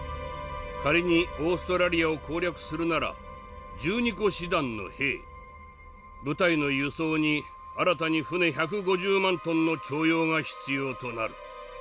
仮にオーストラリアを攻略するなら１２個師団の兵部隊の輸送に新たに船１５０万トンの徴用が必要となる。